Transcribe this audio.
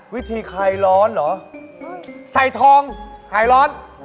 วิธีคลายร้อนเหรอใส่ทองคลายร้อน